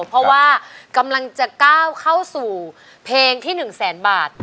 เพราะว่ากำลังจะก้าวเข้าสู่เพลงที่๑แสนบาท